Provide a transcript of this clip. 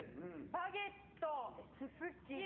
『バゲット』『スッキリ』。